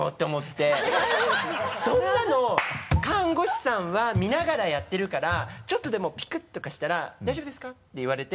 そんなの看護師さんは見ながらやってるからちょっとでもピクッとかしたら「大丈夫ですか？」って言われて。